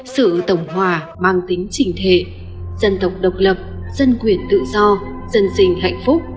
sự tổng hòa mang tính trình thể dân tộc độc lập dân quyền tự do dân sinh hạnh phúc